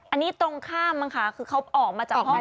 อันนี้ตรงข้ามมั้งค่ะคือเขาออกมาจากห้อง